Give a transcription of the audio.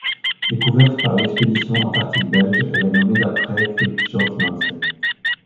Découverte par l'expédition antarctique belge, elle est nommée d'après Fridtjof Nansen.